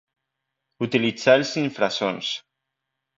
Utilitzà els infrasons.